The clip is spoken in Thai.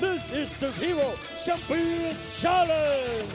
นี่คือฮีโรชัมเปียนชาเลน์